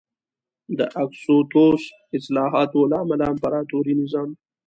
د اګوستوس اصلاحاتو له امله امپراتوري نظام